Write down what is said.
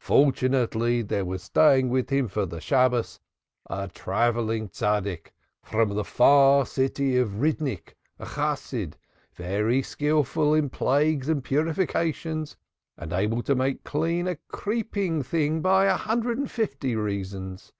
Fortunately there was staying with him for the Sabbath a travelling Saint from the far city of Ridnik, a Chasid, very skilful in plagues and purifications, and able to make clean a creeping thing by a hundred and fifty reasons.